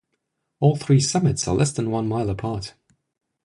All three summits are less than one mile apart.